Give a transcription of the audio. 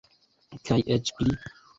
Kaj eĉ pli!